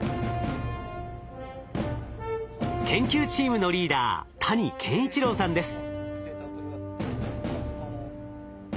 研究チームのリーダー谷健一郎さんです。